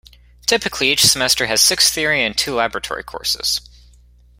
Typically each semester has six theory and two laboratory courses.